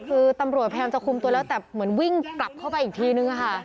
คือตำรวจพยายามจะคุมตัวแล้วแต่เหมือนวิ่งกลับเข้าไปอีกทีนึงค่ะ